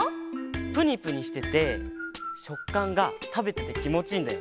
ぷにぷにしててしょっかんがたべててきもちいいんだよね。